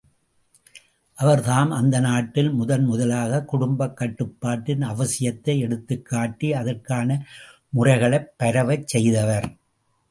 அவர் தாம் அந்த நாட்டில் முதன் முதலாகக் குடும்பக் கட்டுப்பாட்டின் அவசியத்தை எடுத்துக்காட்டி அதற்கான முறைகளைப் பரவச் செய்தவர்.